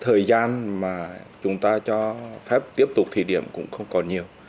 thời gian mà chúng ta cho phép tiếp tục thí điểm cũng không còn nhiều